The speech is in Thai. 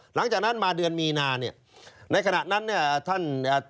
หลังจากนั้นมาเดือนมีนาเนี่ยในขณะนั้นเนี่ยท่านอ่า